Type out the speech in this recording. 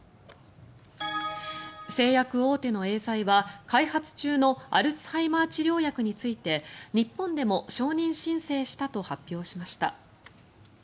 製薬大手のエーザイは開発中のアルツハイマー病の治療薬について日本でも承認申請したと発表しました。